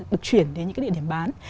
được chuyển đến những cái địa điểm bán